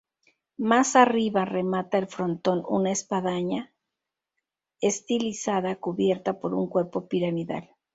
Más arriba remata el frontón una espadaña estilizada cubierta por un cuerpo piramidal.